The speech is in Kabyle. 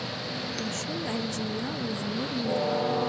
Tḥemcem Ɛelǧiya n Uzemmur Umeryem.